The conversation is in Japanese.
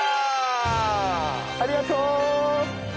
ありがとー！